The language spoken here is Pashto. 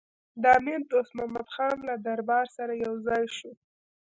د امیر دوست محمدخان له دربار سره یو ځای شو.